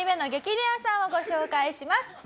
レアさんをご紹介します。